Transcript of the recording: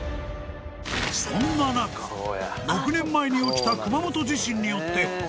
［そんな中６年前に起きた熊本地震によって大部分が崩壊］